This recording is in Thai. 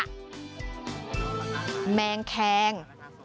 ไหม้งแค็ง